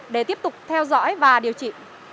để tiếp tục theo dõi và điều trị